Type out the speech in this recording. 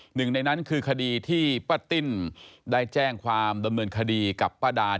หนึ่งในนั้นคือคดีที่ป๊ะติ้นได้แจ้งความดำเนินคดีกับป๊าดาที่เป็นเพื่อนกันนะครับ